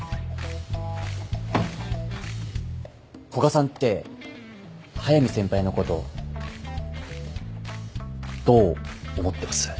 古賀さんって速見先輩のことどう思ってます？